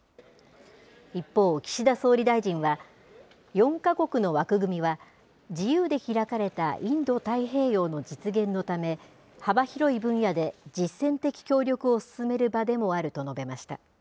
一方、岸田総理大臣は、４か国の、枠組みは、自由で開かれたインド太平洋の実現のため、幅広い分野で実践的協力を進める場でもあると述べました。